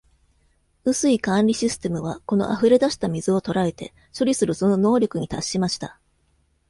雨水管理システムは、この溢れだした水を捕えて、処理するその能力に達しました。